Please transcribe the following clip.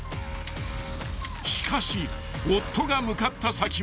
［しかし夫が向かった先は］